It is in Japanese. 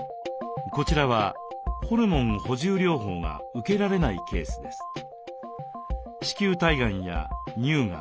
こちらはホルモン補充療法が受けられないケースです。